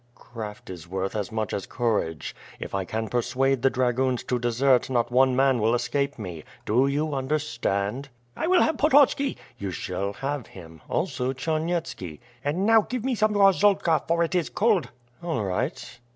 ... "Craft is worth as much as courage. If I can persuade the dragoons to desert, not one man will escape me! Do you understand? WITH FIRE AND SWORD. 179 "I will have Pototski/' "You shall have him — also Charnyetski." "And now give me some gorzalka, for it is cold!'* "All right!''